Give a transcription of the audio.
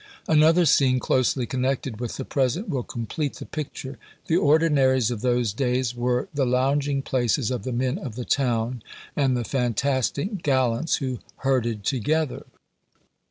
Another scene, closely connected with the present, will complete the picture. "The Ordinaries" of those days were the lounging places of the men of the town, and the "fantastic gallants," who herded together.